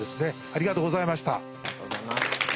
ありがとうございます。